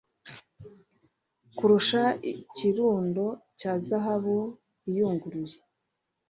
kurusha ikirundo cya zahabu iyunguruye